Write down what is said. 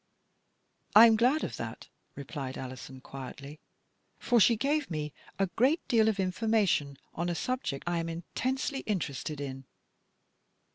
" I am glad of that," replied Alison quietly, " for she gave me a great deal of information on a subject I am intensely interested in."